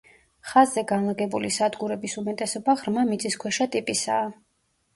ხაზზე განლაგებული სადგურების უმეტესობა ღრმა მიწისქვეშა ტიპისაა.